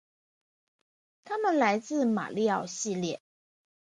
他们来自马里奥系列。